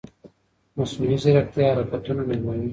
مصنوعي ځیرکتیا حرکتونه نرموي.